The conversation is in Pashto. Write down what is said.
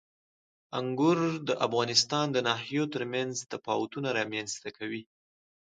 انګور د افغانستان د ناحیو ترمنځ تفاوتونه رامنځته کوي.